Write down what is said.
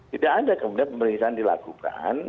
tidak ada kemudian pemeriksaan dilakukan